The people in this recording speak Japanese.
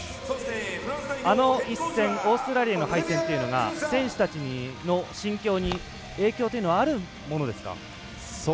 あの一戦オーストラリアの敗戦というのが選手たちの心境に影響というのはあるものですか。